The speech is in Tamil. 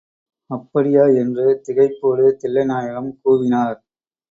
அப்படியா? என்று திகைப்போடு தில்லை நாயகம் கூவினார்.